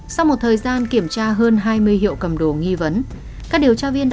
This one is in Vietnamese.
sau một thời gian kiểm tra hơn hai mươi hiệu cầm đồ nghi vấn